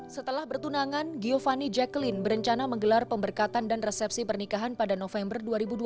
setelah bertunangan giovanni jacqueline berencana menggelar pemberkatan dan resepsi pernikahan pada november dua ribu dua puluh